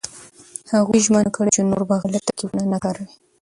هغوی ژمنه کړې چې نور به غلط ترکيبونه نه کاروي.